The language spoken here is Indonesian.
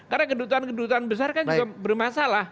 karena kedutaan kedutaan besar kan juga bermasalah